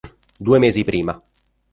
Due mesi prima.